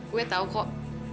gue tau kok